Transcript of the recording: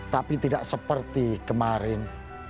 tapi tidak seperti kemarin